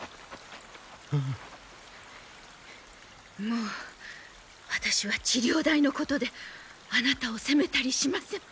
もう私は治療代のことであなたを責めたりしません。